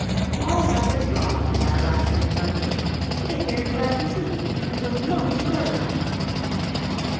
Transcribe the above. All that was gone at our last encounter. He appeared glad to see me and was most cordial."